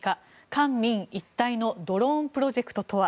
官民一体のドローンプロジェクトとは。